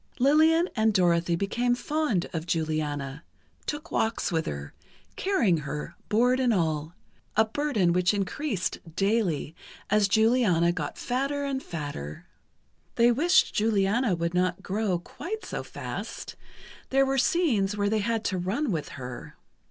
Lillian and Dorothy became fond of Juliana, took walks with her, carrying her, board and all—a burden which increased daily as Juliana got fatter and fatter. They wished Juliana would not grow quite so fast; there were scenes where they had to run with her.